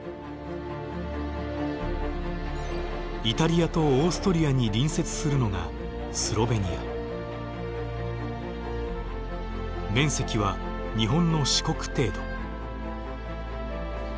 イタリアとオーストリアに隣接するのが面積は日本の四国程度。